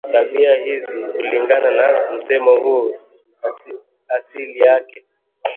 Tabia hizi kulingana msemo huu asili yake